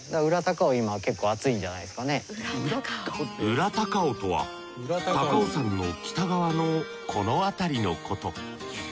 裏高尾とは高尾山の北側のこのあたりのこと。